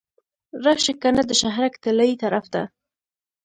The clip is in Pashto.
راشه کنه د شهرک طلایې طرف ته.